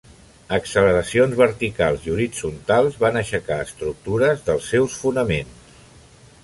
Acceleracions verticals i horitzontals van aixecar estructures dels seus fonaments.